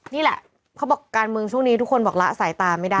นี่แหละเขาบอกการเมืองช่วงนี้ทุกคนบอกละสายตาไม่ได้